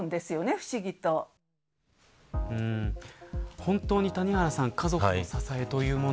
本当に、谷原さん家族の支えというもの。